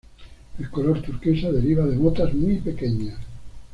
El color turquesa deriva de motas muy pequeñas.